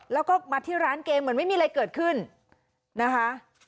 แล้วก็มาที่ร้านเกมเหมือนไม่มีอะไรเกิดขึ้นนะคะ